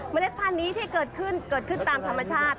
เล็ดพันธุ์นี้ที่เกิดขึ้นเกิดขึ้นตามธรรมชาติ